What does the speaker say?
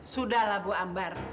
sudahlah bu ambar